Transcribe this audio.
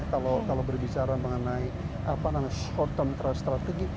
kalau berbicara mengenai short term trade strategy